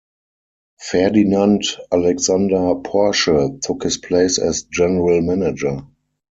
Ferdinand Alexander Porsche took his place as general manager.